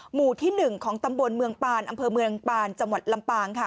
หมู่ที่๑ของตำบลเมืองปานอำเภอเมืองปานจังหวัดลำปางค่ะ